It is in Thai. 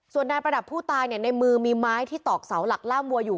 ส่วนนายประดับผู้ตายในมือมีไม้ที่ตอกเสาหลักล่ามวัวอยู่